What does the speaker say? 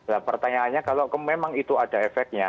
nah pertanyaannya kalau memang itu ada efeknya